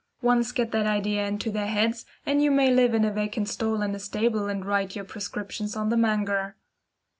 Once get that idea into their heads, and you may live in a vacant stall in a stable and write your prescriptions on the manger.